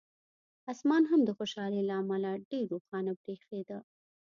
اسمان هم د خوشالۍ له امله ډېر روښانه برېښېده.